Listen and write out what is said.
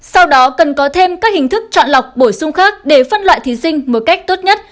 sau đó cần có thêm các hình thức chọn lọc bổ sung khác để phân loại thí sinh một cách tốt nhất